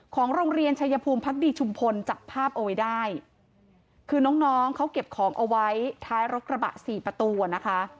ของโรงเรียนชายภูมิพักดีชุมพลจับภาพเอาไว้ได้คือน้องน้องเขาเก็บของเอาไว้ท้ายรถกระบะสี่ประตูอ่ะนะคะ